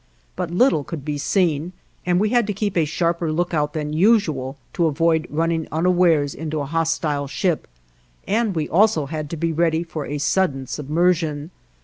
But little could be seen, and we had to keep a sharper lookout than usual to avoid running unawares into a hostile ship, and we also had to be ready for a sudden submersion.